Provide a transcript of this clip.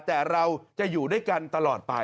แต่เราจะอยู่ด้วยกันตลอดไป